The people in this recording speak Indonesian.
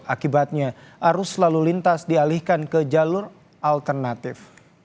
akibatnya arus lalu lintas dialihkan ke jalur alternatif